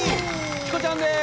チコちゃんです。